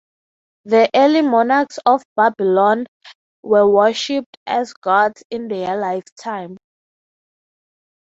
The early monarchs of Babylon were worshiped as gods in their lifetime.